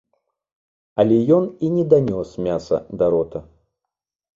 Але ён і не данёс мяса да рота.